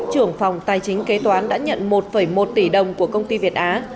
trưởng phòng tài chính kế toán đã nhận một một tỷ đồng của công ty việt á